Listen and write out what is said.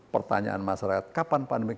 pertanyaan masyarakat kapan pandemi